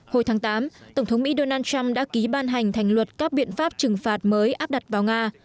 hồi tháng tám tổng thống mỹ donald trump đã ký ban hành thành luật các biện pháp trừng phạt mới áp đặt vào nga